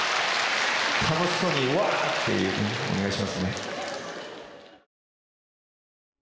楽しそうにわあっていうねお願いしますね。